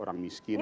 orang tidak mampu